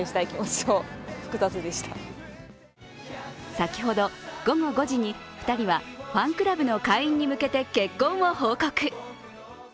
先ほど、午後５時に２人はファンクラブの会員に向けて、結婚を報告。